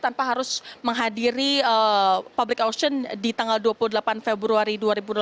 tanpa harus menghadiri public ausion di tanggal dua puluh delapan februari dua ribu delapan belas